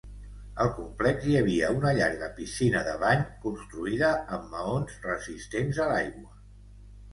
Al complex hi havia una llarga piscina de bany construïda amb maons resistents a l'aigua.